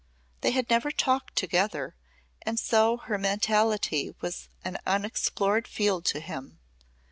They had never talked together and so her mentality was an unexplored field to him.